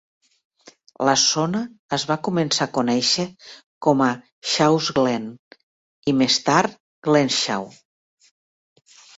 La zona es va començar a conèixer com a "Shaw's Glen", i més tard Glenshaw.